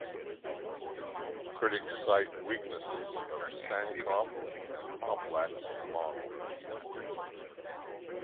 Critics cite weaknesses of Sankoff and Poplack's model.